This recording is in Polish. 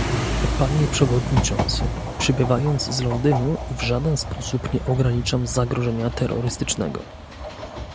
Panie przewodniczący, przybywając z Londynu w żaden sposób nie ograniczam zagrożenia terrorystycznego